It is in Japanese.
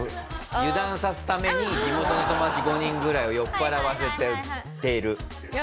油断させるために地元の友達５人ぐらいを酔っ払わせている。